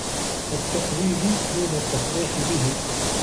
وَالتَّأْوِيلِ دُونَ التَّصْرِيحِ بِهِ